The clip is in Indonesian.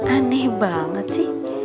aneh banget sih